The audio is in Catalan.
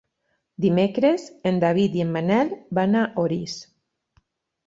Dimecres en David i en Manel van a Orís.